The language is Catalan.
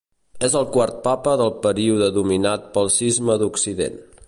És el quart papa del període dominat pel Cisma d'Occident.